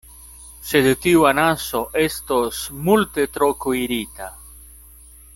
Sed tiu anaso estos multe tro kuirita!